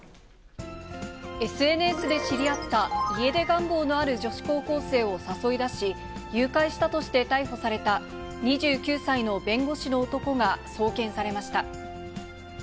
ＳＮＳで知り合った家出願望のある女子高校生を誘い出し、誘拐したとして逮捕された、２９歳の弁護士の男が送検されました。